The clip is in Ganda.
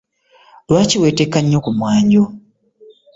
Lwaki weteeka nnyo ku mwanjo?